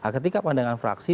ketika pandangan fraksi